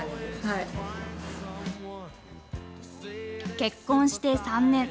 結婚して３年。